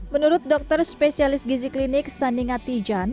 menurut dokter spesialis gizi klinik saninga tijan